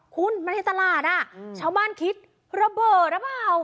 คุณมันเทศรานะชาวบ้านคิดระเบิดรึเปล่า